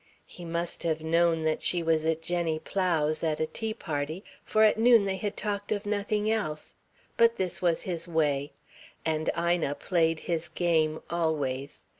He must have known that she was at Jenny Plow's at a tea party, for at noon they had talked of nothing else; but this was his way. And Ina played his game, always.